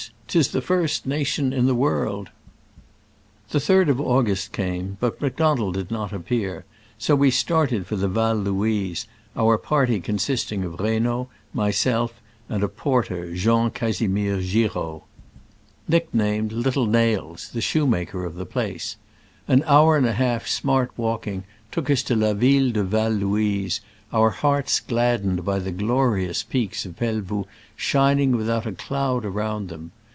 'tis the first nation in the world !" The 3d of August came, but Mac donald did not appear, so we started for the Val Louise, our party consist ing of Reynaud, myself and a porter, Jean Casimir Giraud, nicknamed "Little Digitized by Google SCRAMBLES AMONGST THE ALPS IN i86o '69. Nails,'* the shoemaker of the place. An hour and a half's smart walking took us to La Ville de Val Louise, our hearts gladdened by the glorious peaks of Pel voux shining out without a cloud around them.